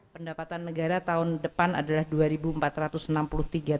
pendapatan negara tahun depan adalah rp dua empat ratus enam puluh tiga triliun